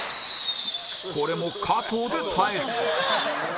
これも加藤で耐える